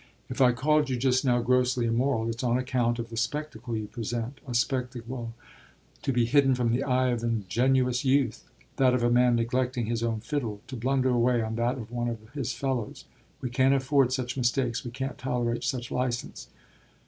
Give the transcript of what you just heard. If I called you just now grossly immoral it's on account of the spectacle you present a spectacle to be hidden from the eye of ingenuous youth: that of a man neglecting his own fiddle to blunder away on that of one of his fellows. We can't afford such mistakes, we can't tolerate such licence."